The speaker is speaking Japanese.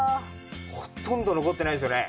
ほとんど残ってないですよね。